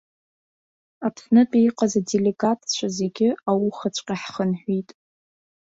Аԥснытәи иҟаз аделегатцәа зегьы аухаҵәҟьа ҳхынҳәит.